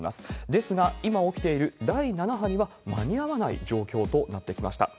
ですが、今起きている第７波には、間に合わない状況となってきました。